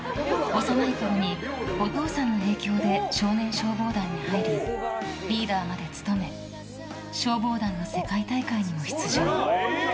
幼いころにお父さんの影響で少年消防団に入りリーダーまで務め消防団の世界大会にも出場。